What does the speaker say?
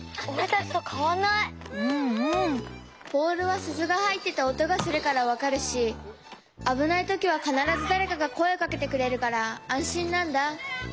ボールはすずがはいってておとがするからわかるしあぶないときはかならずだれかがこえをかけてくれるからあんしんなんだ。